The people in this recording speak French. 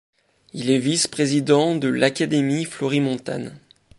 Il est vice-président de l'Académie florimontane.